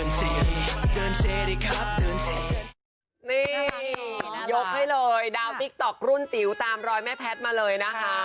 นี่ยกให้เลยดาวติ๊กต๊อกรุ่นจิ๋วตามรอยแม่แพทย์มาเลยนะคะ